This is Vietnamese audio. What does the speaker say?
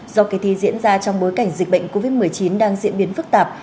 do kỳ thi diễn ra trong bối cảnh dịch bệnh covid một mươi chín đang diễn biến phức tạp